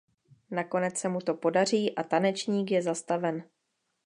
Nakonec se mu to podaří a Tanečník je zastaven.